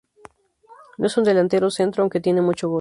No es un delantero centro, aunque tiene mucho gol.